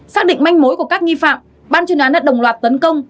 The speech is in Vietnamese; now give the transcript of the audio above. xác định manh mối của các nghi phạm ban chuyên án đã đồng loạt tấn công